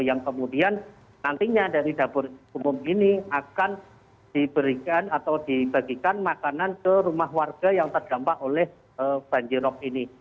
yang kemudian nantinya dari dapur umum ini akan diberikan atau dibagikan makanan ke rumah warga yang terdampak oleh banjirop ini